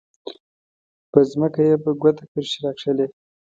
په ځمکه یې په ګوته کرښې راښکلې.